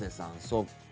そっか。